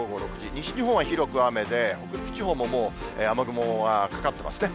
西日本は広く雨で、北陸地方ももう雨雲はかかってますね。